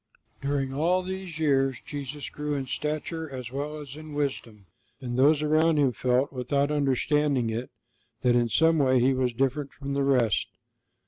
During all these years Jesus grew in stature as well as in wisdom, and those around Him felt, without understanding it, that in some way He was different from the rest.